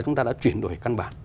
chúng ta đã chuyển đổi căn bản